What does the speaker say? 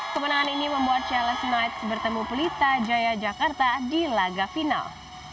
kemenangan ini membuat cls knights bertemu pelita jaya jakarta di laga final